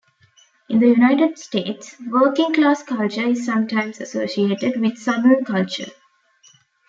In the United States, working-class culture is sometimes associated with Southern culture.